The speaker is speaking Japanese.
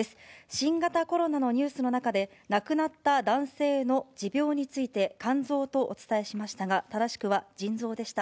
新型コロナのニュースの中で、亡くなった男性の持病について、肝臓とお伝えしましたが、正しくは腎臓でした。